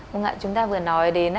vâng ạ chúng ta vừa nói đến